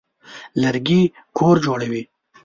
لرګي کور جوړوي.